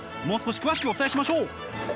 もう少し詳しくお伝えしましょう。